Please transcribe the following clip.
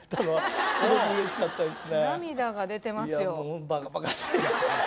涙が出てますよ。